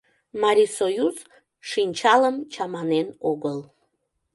Марисоюз шинчалым чаманен огыл.